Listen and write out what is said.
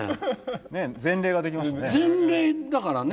ねえ前例ができましたからね。